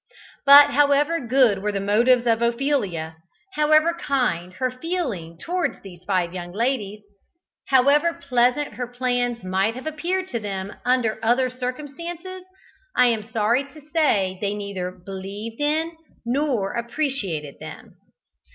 But however good were the motives of Ophelia, however kind her feeling towards these five young ladies, however pleasant her plans might have appeared to them under other circumstances, I am sorry to say that they neither believed in nor appreciated them.